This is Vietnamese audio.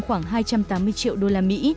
khoảng hai trăm tám mươi triệu usd